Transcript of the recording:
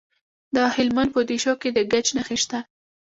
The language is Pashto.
د هلمند په دیشو کې د ګچ نښې شته.